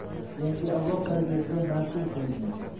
– yangi avlod tarbiyasiga mas’ul qilingan